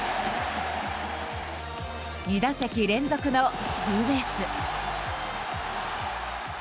２打席連続のツーベース。